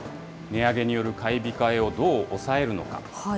値上げによる買い控えをどう抑えるのか。